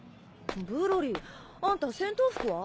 ブロリーあんた戦闘服は？